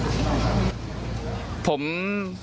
เชื่ออะไรว่าในคลิปเป็นแค่ขอนไม้